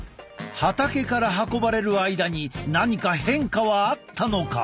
畑から運ばれる間に何か変化はあったのか？